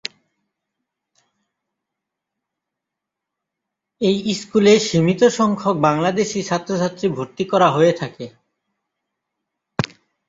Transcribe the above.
এই স্কুলে সীমিত সংখ্যক বাংলাদেশী ছাত্রছাত্রী ভর্তি করা হয়ে থাকে।